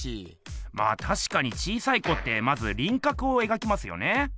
あたしかに小さい子ってまずりんかくをえがきますね。